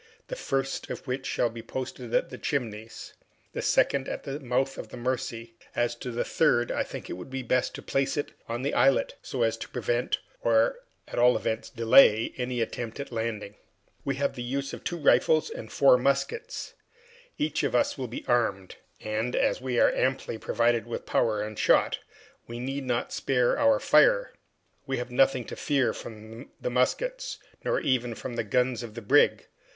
The first of which shall be posted at the Chimneys, the second at the mouth of the Mercy. As to the third, I think it would be best to place it on the islet, so as to prevent, or at all events delay, any attempt at landing. We have the use of two rifles and four muskets. Each of us will be armed, and, as we are amply provided with powder and shot, we need not spare our fire. We have nothing to fear from the muskets nor even from the guns of the brig.